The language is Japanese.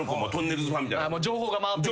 情報が回ってる。